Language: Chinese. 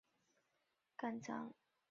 每一卷又包括若干章和节。